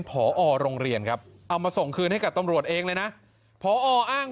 พอโรงเรียนครับเอามาส่งคืนให้กับตำรวจเองเลยนะพออ้าง